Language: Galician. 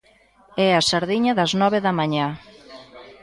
É a sardiña das nove da mañá.